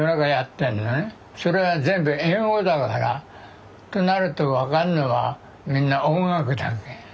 それは全部英語だから。となると分かるのはみんな音楽だけ。